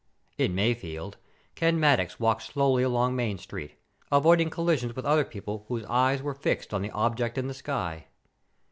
In Mayfield, Ken Maddox walked slowly along Main Street, avoiding collisions with other people whose eyes were fixed on the object in the sky.